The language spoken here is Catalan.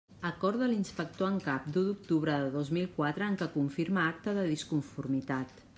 Acord de l'inspector en cap, d'u d'octubre de dos mil quatre, en què confirma acta de disconformitat.